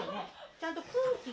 ちゃんと空気が。